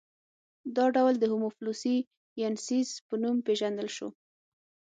دا ډول د هومو فلورسي ینسیس په نوم پېژندل شو.